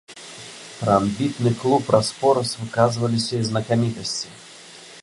Пра амбітны клуб раз-пораз выказваліся і знакамітасці.